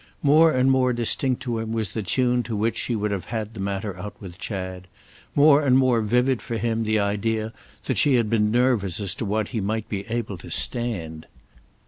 More and more distinct to him was the tune to which she would have had the matter out with Chad: more and more vivid for him the idea that she had been nervous as to what he might be able to "stand."